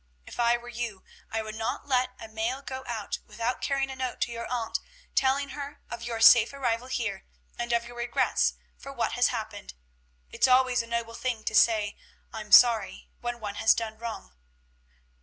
If I were you, I would not let a mail go out without carrying a note to your aunt, telling her of your safe arrival here, and of your regrets for what has happened. It's always a noble thing to say 'I'm sorry,' when one has done wrong."